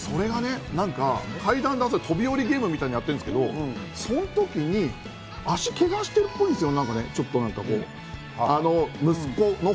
階段で飛び降りゲームみたいにやってるんですけど、その時に足をけがしてるっぽいんですよね。